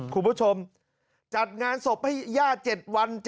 คุณผู้ชมจัดงานศพให้ย่า๗วัน